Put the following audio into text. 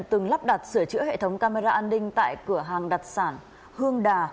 từng lắp đặt sửa chữa hệ thống camera an ninh tại cửa hàng đặc sản hương đà